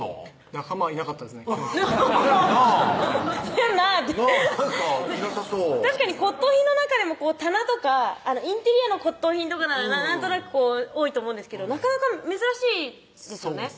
仲間はいなかったですねなぁ「なぁ」ってなんかいなさそう確かに骨董品の中でも棚とかインテリアの骨董品とかならなんとなく多いと思うんですけどなかなか珍しいですよね